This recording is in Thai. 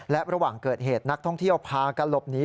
และระหว่างเกิดเหตุนักท่องเที่ยวพากันหลบหนี